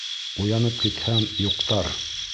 Уянып китһәм, юҡтар...